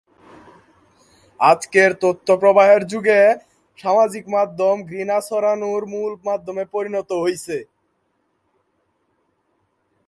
আজকের তথ্যপ্রবাহের যুগে সামাজিক মাধ্যম ঘৃণা ছড়ানোর মূল মাধ্যমে পরিণত হয়েছে।